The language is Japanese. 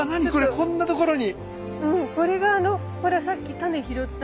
こんなところに。